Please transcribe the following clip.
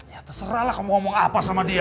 ya terserahlah kamu ngomong apa sama dia